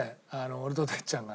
俺と哲ちゃんが。